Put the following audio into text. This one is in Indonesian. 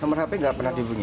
nomor hp nggak pernah dibunyi